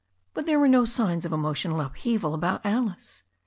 But there were no signs of emotional upheaval about Alice.